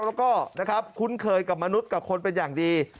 แล้วก็นะครับคุ้นเคยกับมนุษย์กับคนเป็นอย่างดี